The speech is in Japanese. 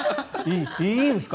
いいんですか？